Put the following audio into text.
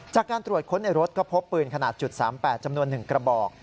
จากการตรวจค้นในรถก็พบปืนขนาด๓๘จำนวน๑กระบอก